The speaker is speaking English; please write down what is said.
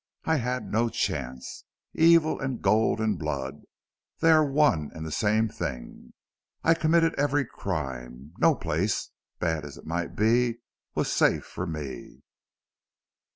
I had no chance. Evil and gold and blood they are one and the same thing. I committed every crime till no place, bad as it might be, was safe for me.